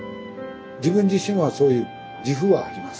自分自身はそういう自負はあります。